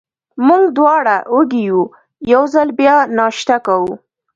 موږ دواړه وږي وو، یو ځل بیا ناشته کوو.